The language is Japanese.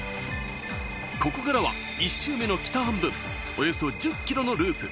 ここからは、１周目の北半分、およそ１０キロのループ。